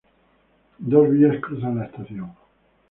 Dos vías cruzan la estación.